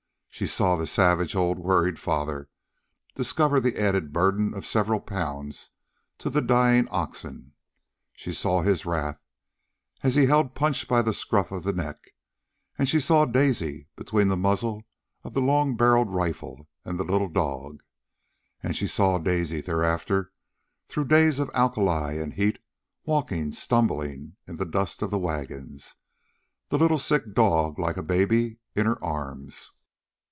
She saw the savage old worried father discover the added burden of the several pounds to the dying oxen. She saw his wrath, as he held Punch by the scruff of the neck. And she saw Daisy, between the muzzle of the long barreled rifle and the little dog. And she saw Daisy thereafter, through days of alkali and heat, walking, stumbling, in the dust of the wagons, the little sick dog, like a baby, in her arms.